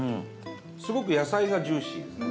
すごく野菜がジューシーですね。